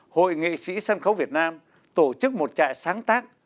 hội nghệ sĩ sân khấu việt nam tổ chức một trại sáng tác